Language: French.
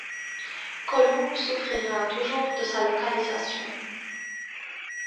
Colombes souffrira toujours de sa localisation.